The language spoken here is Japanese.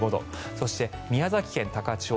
そして宮崎県高千穂